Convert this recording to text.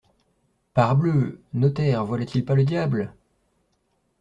Parbleu !… notaire, voilà-t-il pas le diable !